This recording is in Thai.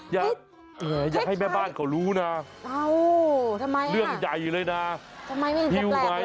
อย่าให้แม่บ้านเค้ารู้นะเรื่องใหญ่อยู่เลยนะหิวมาอย่างนี้เออทำไมเป็นแปลกเลย